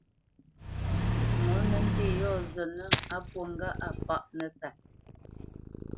Ŋo nə́ ntê yɔ̂ zətnə́ á pwô ŋgâʼ a páʼ nəkât.